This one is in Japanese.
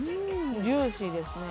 ジューシーですね。